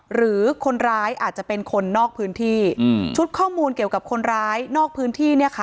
หรือคนร้ายอาจจะเป็นคนนอกพื้นที่ชุดข้อมูลเกี่ยวกับคนร้ายนอกพื้นที่เนี่ยค่ะ